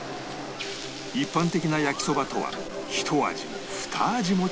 一般的な焼きそばとはひと味もふた味も違う